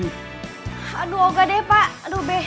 aduh enggak deh pak aduh be